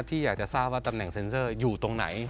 ที่อยากจะทราบว่าตำแหน่งเซ็นเซอร์อยู่ตรงไหน